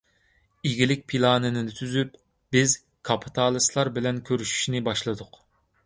ئىگىلىك پىلانىنى تۈزۈپ، بىز كاپىتالىستلار بىلەن كۆرۈشۈشنى باشلىدۇق.